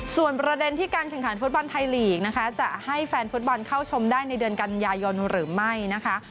ส่วนประเด็นที่การแข่งขันฟุตบอลไทยลีกนะคะจะให้แฟนฟุตบอลเข้าชมได้ในเดือนกันยายนหรือไม่นะคะ